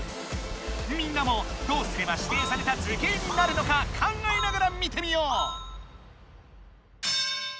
みんなもどうすればしていされた図形になるのか考えながら見てみよう！